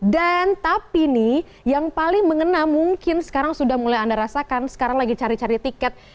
dan tapi nih yang paling mengena mungkin sekarang sudah mulai anda rasakan sekarang lagi cari cari tiket